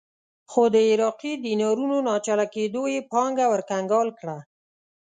خو د عراقي دینارونو ناچله کېدو یې پانګه ورکنګال کړه.